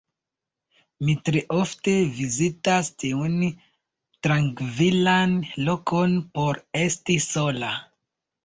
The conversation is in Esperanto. Mi tre ofte vizitas tiun trankvilan lokon por esti sola.